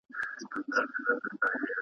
د چا غوڅیږي پښې او لاسونه .